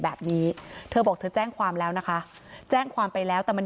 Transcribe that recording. แบบนี้เธอบอกเธอแจ้งความแล้วนะคะแจ้งความไปแล้วแต่มัน